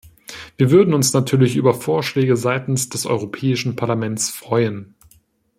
Wir würden uns natürlich über Vorschläge seitens des Europäischen Parlaments freuen.